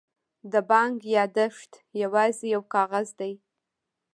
د بانک یادښت یوازې یو کاغذ دی.